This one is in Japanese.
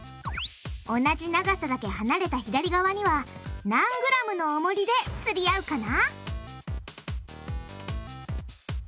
同じ長さだけ離れた左側には何ｇのおもりでつり合うかな？